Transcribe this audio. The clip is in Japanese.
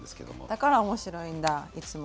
だから面白いんだいつも。